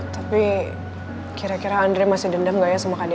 tapi kira kira andre masih dendam gak ya sama kader